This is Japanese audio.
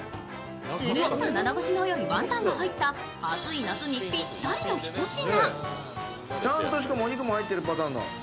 つるんと喉越しの良いワンタンが入った暑い夏にぴったりのひと品。